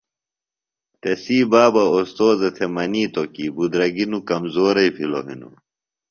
تسی بابہ اوستوذہ تھےۡ منِیتوۡ کی بُدرَگیۡ نوۡ کمزورئی بِھلو ہِنوۡ۔